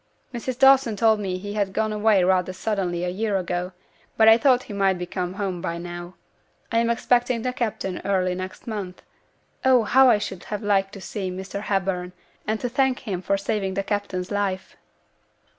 'Mrs. Dawson told me he had gone away rather suddenly a year ago, but I thought he might be come home by now. I am expecting the captain early next month. Oh! how I should have liked to see Mr. Hepburn, and to thank him for saving the captain's life!'